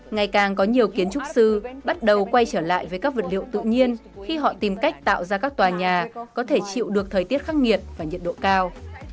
ngày càng có nhiều kiến trúc sư bắt đầu quay trở lại với các vật liệu tự nhiên khi họ tìm cách tạo ra các tòa nhà có thể chịu được thời tiết khắc nghiệt và nhiệt độ cao